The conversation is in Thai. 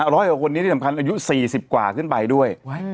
ร้อยกว่าคนนี้ที่สำคัญอายุ๔๐กว่าขึ้นไปด้วย